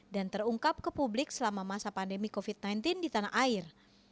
dan terungkap ke publik selama masa pandemi covid sembilan belas di tanah air